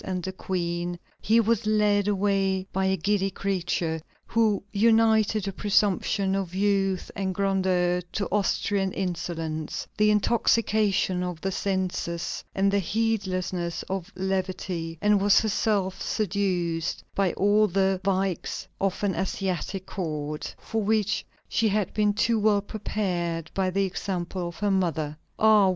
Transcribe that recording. and the Queen: "He was led away by a giddy creature who united the presumption of youth and grandeur to Austrian insolence, the intoxication of the senses, and the heedlessness of levity, and was herself seduced by all the vices of an Asiatic court, for which she had been too well prepared by the example of her mother." Ah!